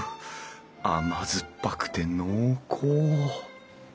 甘酸っぱくて濃厚。